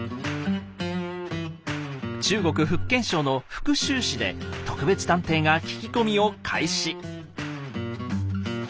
中国福建省の福州市で特別探偵が聞き込みを開始。